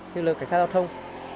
lực lượng cảnh sát giao thông